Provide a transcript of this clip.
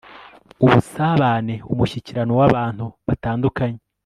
ubusabane umushyikirano wabantu batandukanye